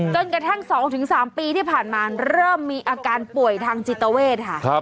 จนกระทั่ง๒๓ปีที่ผ่านมาเริ่มมีอาการป่วยทางจิตเวทค่ะ